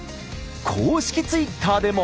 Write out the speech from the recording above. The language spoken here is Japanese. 公式ツイッターでも。